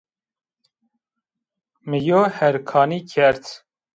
Mi yew herkanî kerd